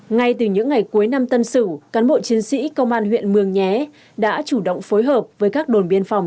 ngay từ những ngày cuối năm tân sử cán bộ chiến sĩ công an huyện mường nhé đã chủ động phối hợp với các đồn biên phòng